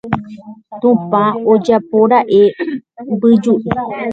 Tupã ojapóra'e mbyju'i.